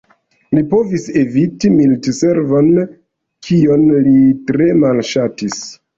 Li povis eviti militservon, kion li tre malŝatis.